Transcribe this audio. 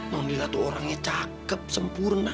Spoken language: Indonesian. nonila tuh orangnya cakep sempurna